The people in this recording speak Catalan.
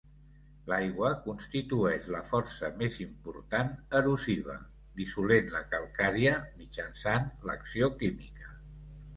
L'aigua constitueix la força més important erosiva, dissolent la calcària mitjançant l'acció química.